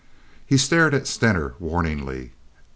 He stared at Stener warningly.